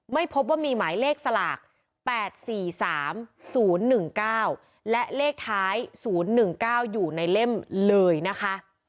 ไม่พบว่ามีหมายเลขสลาก๘๔๓๐๑๙และเลขท้าย๐๑๙อยู่ในเล่มเลยนะคะ